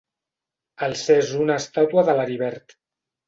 Alcés una estàtua de l'Heribert.